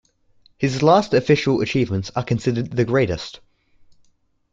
His last official achievements are considered the greatest.